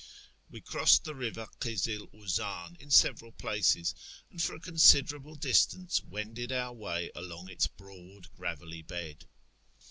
We crossed the river Kizil Uzan in several places, and for a considerable distance wended our way along its broad gravelly bed.